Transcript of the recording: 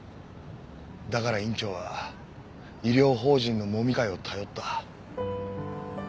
だから院長は医療法人のもみ会を頼った。